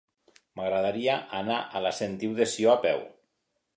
M'agradaria anar a la Sentiu de Sió a peu.